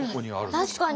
確かに！